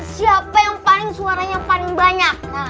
siapa yang paling suaranya paling banyak